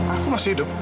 aku masih hidup